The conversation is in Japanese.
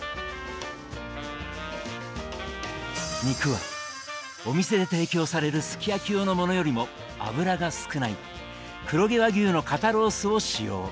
肉はお店で提供されるすき焼き用のものよりも脂が少ない黒毛和牛の肩ロースを使用。